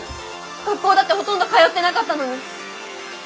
学校だってほとんど通ってなかったのに。